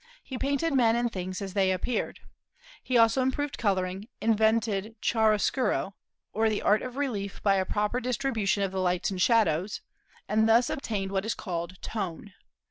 He painted men and things as they appeared. He also improved coloring, invented chiaroscuro (or the art of relief by a proper distribution of the lights and shadows), and thus obtained what is called "tone."